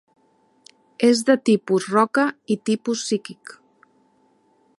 És de tipus roca i tipus psíquic.